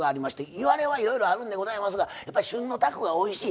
いわれはいろいろあるんですがやっぱり旬のたこがおいしい。